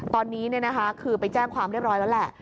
ตอนนี้คือไปแจ้งความเรียบร้อยแล้วแหละ